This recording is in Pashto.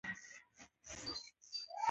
سړي وویل جنت ته به زه ځمه